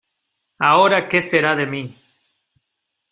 ¡ ahora qué será de mí!...